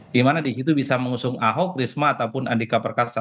di mana di situ bisa mengusung ahok risma ataupun andika perkasa